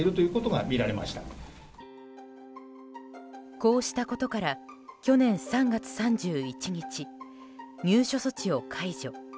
こうしたことから去年３月３１日入所措置を解除。